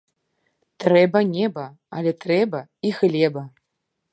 Трэба неба, але трэба і хлеба.